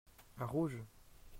Un rouge.